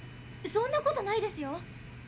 そんなことないですよ。